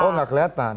oh nggak kelihatan